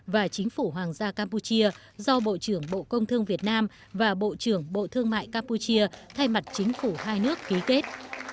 và chính phủ hoàng gia campuchia do bộ trưởng bộ công thương việt nam và bộ trưởng bộ thương mại campuchia thay mặt chính phủ hai nước ký kết